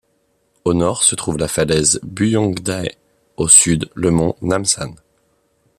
Au nord se trouve la falaise Buyongdae, au sud, le mont Namsan.